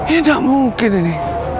ini gak mungkin ini